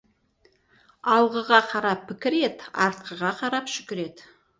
Алғыға қарап, пікір ет, артқыға қарап, шүкір ет.